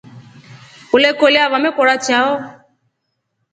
Ulekolya vamekora chao.